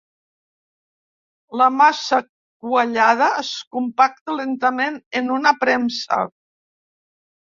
La massa quallada es compacta lentament en una premsa.